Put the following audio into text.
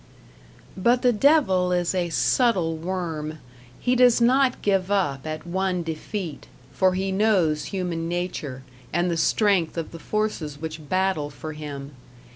But the devil is a subtle worm; he does not give up at one defeat, for he knows human nature, and the strength of the forces which battle for him.